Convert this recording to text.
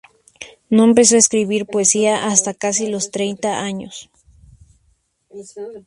No empezó a escribir poesía hasta casi los treinta años.